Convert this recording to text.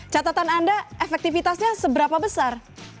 catatan anda efektivitasnya seberapa besar